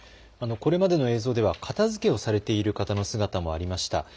これまでの映像では片づけをされている方の姿もありました。